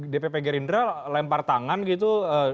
dpp gerindra lempar tangan gitu